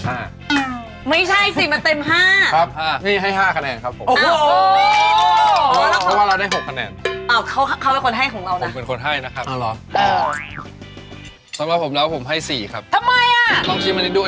ไม่ใช่สิมันเต็ม๕